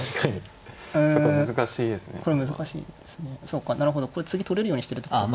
そうかなるほどこれ次取れるようにしてるってこと。